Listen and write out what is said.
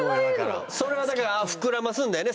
それがだから膨らますんだよね